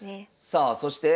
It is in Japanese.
さあそして